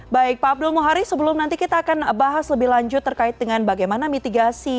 baik pak abdul muhari sebelum nanti kita akan bahas lebih lanjut terkait dengan bagaimana mitigasi